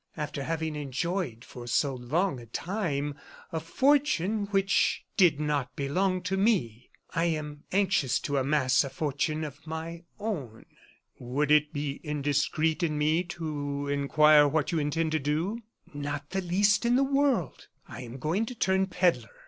After having enjoyed for so long a time a fortune which did not belong to me, I am anxious to amass a fortune of my own." "Would it be indiscreet in me to inquire what you intend to do?" "Not the least in the world. I am going to turn pedler." M.